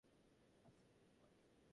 সেলিটো, পলি।